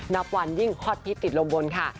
นับวันยิ่งฮอตฮิตติดลมบนค่ะ